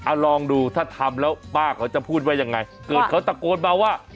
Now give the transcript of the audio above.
เอาลองดูถ้าทำแล้วป้าเขาจะพูดว่ายังไงเกิดเขาตะโกนมาว่า